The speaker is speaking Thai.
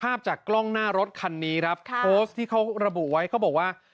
ภาพจากกล้องหน้ารถคันนี้ครับโพสต์ที่เขาระบุไว้เขาบอกว่า